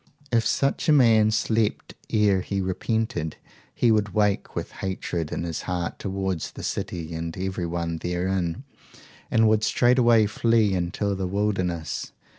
If such a man slept ere he repented, he would wake with hatred in his heart towards the city and everyone therein, and would straightway flee into the wilderness.